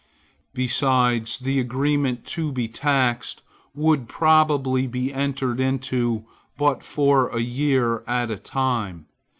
Besides, the agreement to be taxed would probably be entered into but for a year at a time.